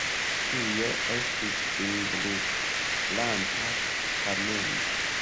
Tie estis finbrulanta kameno.